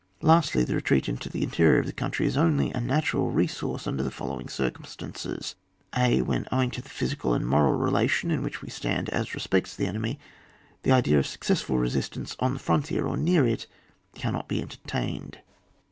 Lastly, the retreat into the interior of the country is only a natural resource under the following circumstances :— a, when owing to the physical and moral relation in which we stand as respects the enemy, the idea of a success* ful resistance on the frontier or near it cannot be entertained.